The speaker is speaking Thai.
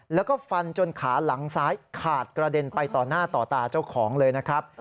แล้วก็ฟันจนขาหลังซ้ายขาดกระเด็นไปต่อหน้าต่อตาเจ้าของเลยนะครับ